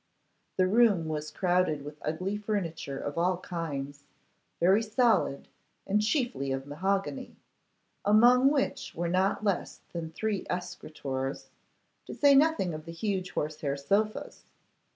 The room was crowded with ugly furniture of all kinds, very solid, and chiefly of mahogany; among which were not less than three escritoires, to say nothing of the huge horsehair sofas.